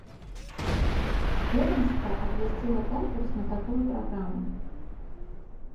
Ведамства абвясціла конкурс на такую праграму.